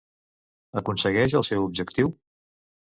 Aconsegueix el seu objectiu?